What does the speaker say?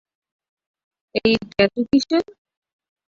এই ট্যাটু কীসের?